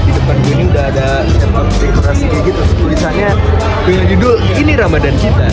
di depan gue udah ada setan sektoran gitu tulisannya dengan judul ini ramadhan cinta